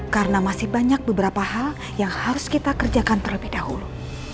karena masih banyak beberapa hal yang harus kita kerjakan terlebih dahulu